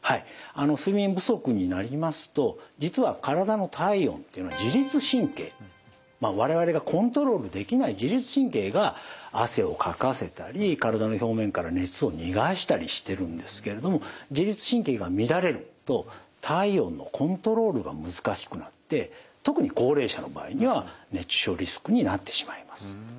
あの睡眠不足になりますと実は体の体温っていうのは自律神経まあ我々がコントロールできない自律神経が汗をかかせたり体の表面から熱を逃がしたりしてるんですけれども特に高齢者の場合には熱中症リスクになってしまいます。